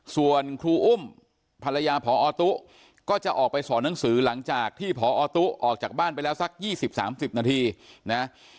ส่วนครูอุ้มภรรยาพอตุ๊ก็จะออกไปสอนหนังสือหลังจากที่พอตู้ออกจากบ้านไปแล้วสัก๒๐๓๐นาทีนะ